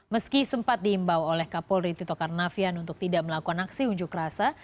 meski sempat diimbau oleh kapol riti tokarnafian untuk tidak melakukan aksi unjuk rasa